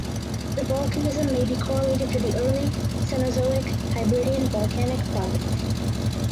The volcanism may be correlative to the early Cenozoic Hebridean volcanic province.